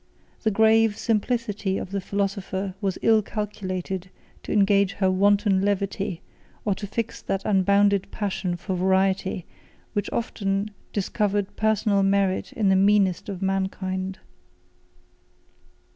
The grave simplicity of the philosopher was ill calculated to engage her wanton levity, or to fix that unbounded passion for variety, which often discovered personal merit in the meanest of mankind.